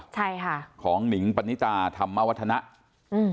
ใช่ค่ะของหนิงปณิตาธรรมวัฒนะอืม